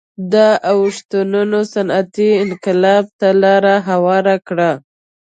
دا اوښتونونه صنعتي انقلاب ته لار هواره کړه